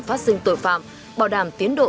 phát sinh tội phạm bảo đảm tiến độ